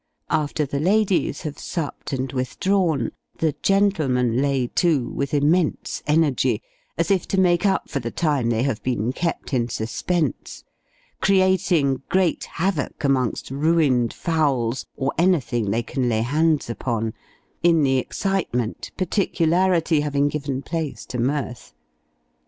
After the ladies have supped and withdrawn, the gentlemen lay to, with immense energy, as if to make up for the time they have been kept in suspense, creating great havoc amongst ruined fowls, or anything they can lay hands upon in the excitement, particularity having given place to mirth.